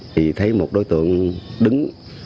thì thấy một đối tượng đứng